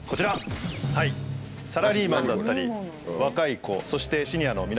サラリーマンだったり若い子そしてシニアの皆さん。